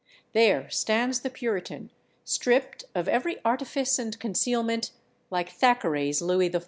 There stands the Puritan stripped of every artifice and concealment, like Thackeray's Louis XIV.